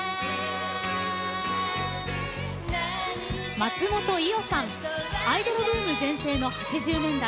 松本伊代さんアイドルブーム前線の８０年代